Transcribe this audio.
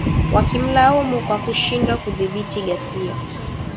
wakimlaumu kwa kushindwa kudhibiti ghasia